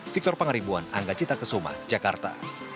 victor pangaribuan anggacita kesuma jakarta